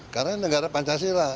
karena negara pancasila